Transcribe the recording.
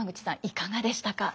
いかがでしたか？